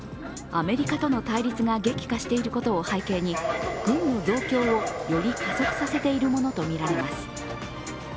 アメリカとの対立が激化していることを背景に軍の増強をより加速させているものとみられます。